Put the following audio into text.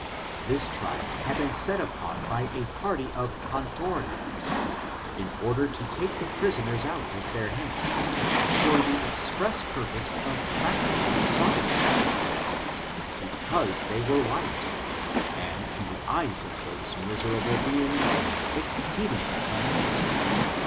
This tribe had been set upon by a party of KaniarianSj in order to take the prisoners out of their hands, for the express purpose of practicing Sodomy upon them, because they were white, and, in the eyes of those miserable beings, exceedingly handsome.